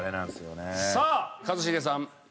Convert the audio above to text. さあ一茂さん。